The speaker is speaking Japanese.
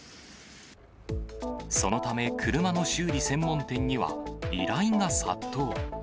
そのため、車の修理専門店には、依頼が殺到。